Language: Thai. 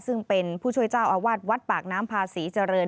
ซึ่งเป็นผู้ช่วยเจ้าอาวาสวัดปากน้ำพาศรีเจริญ